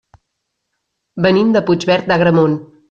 Venim de Puigverd d'Agramunt.